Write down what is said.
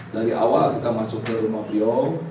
dari awal kita masuk ke rumah beliau